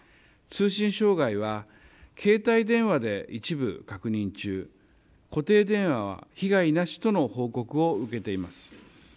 通信障害は携帯電話で一部確認中、固定電話は被害なしとの報告を受けています。